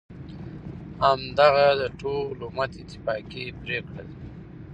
همدغه د ټول امت اتفاقی پریکړه ده،